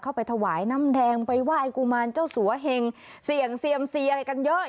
เข้าไปถวายน้ำแดงไปไหว้กุมารเจ้าสัวเหงเซียมซีอะไรกันเยอะ